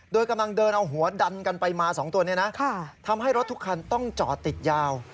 โดยกำลังเดินเอาหัวดันกันไปมา๒ตัวนี้นะทำให้รถทุกคันต้องจอดติดยาว